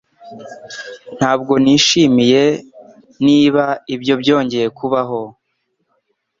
Ntabwo nishimiye niba ibyo byongeye kubaho.